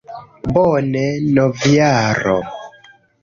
Bone, novjaro!